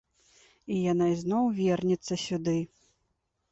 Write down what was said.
І яна ізноў вернецца сюды.